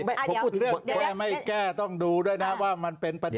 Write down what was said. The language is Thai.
ผมพูดเรื่องก็ยังไม่แก้ต้องดูด้วยนะว่ามันเป็นประเทศอะไร